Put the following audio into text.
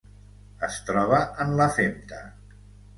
Es troba en la femta.